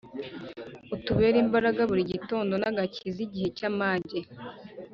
Utubere imbaraga buri gitondo, n’agakiza igihe cy’amage.